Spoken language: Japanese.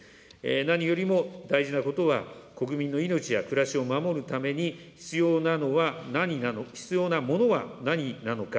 何よりも大事なことは国民の命や暮らしを守るために必要なのは、必要なものは何なのか。